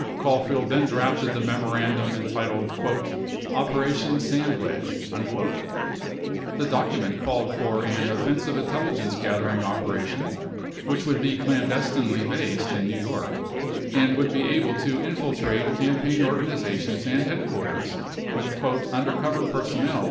Caulfield then drafted the memorandum entitled "Operation Sandwadge" 42 The document called for an offensive intelligence gathering opera tion which would be clandestinely based in New York and would be able to infiltrate campaign organizations and headquarters with "undercover personnel."